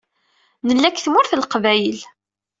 Nella deg Tmurt n Leqbayel.